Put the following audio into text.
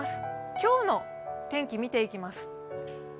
今日の天気見ていきます。